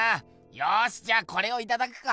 よしじゃこれをいただくか。